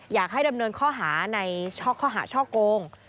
อยากให้ดำเนินข้อหาในข้อหาช่อโกง